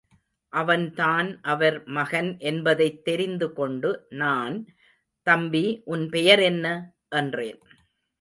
அவன்தான் அவர் மகன் என்பதைத் தெரிந்து கொண்டு நான், தம்பி உன் பெயர் என்ன? என்றேன்.